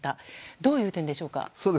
どういう点でしょうか。